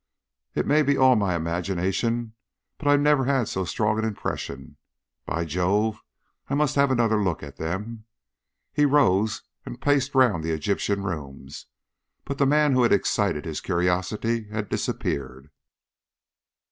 It may be all imagination, but I never had so strong an impression. By Jove, I must have another look at them!" He rose and paced round the Egyptian rooms, but the man who had excited his curiosity had disappeared.